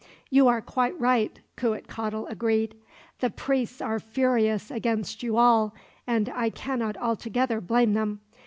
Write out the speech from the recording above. "You are quite right," Cuitcatl agreed. "The priests are furious against you all, and I cannot altogether blame them.